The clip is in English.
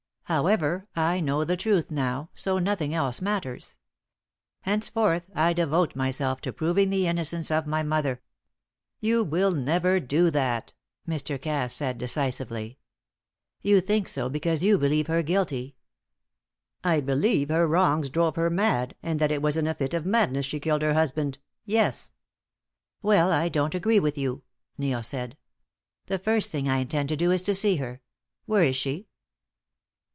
However, I know the truth now, so nothing else matters. Henceforth I devote myself to proving the innocence of my mother." "You will never do that," Mr. Cass said, decisively. "You think so because you believe her guilty." "I believe her wrongs drove her mad, and that it was in a fit of madness she killed her husband. Yes." "Well, I don't agree with you," Neil said. "The first thing I intend to do is to see her. Where is she?"